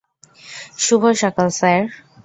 শুভ সকাল স্যার।